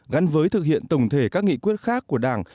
gắn với thực hiện tổng thể các nghị quyết khác của đảng